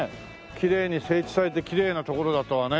きれいに整地されてきれいな所だとはね。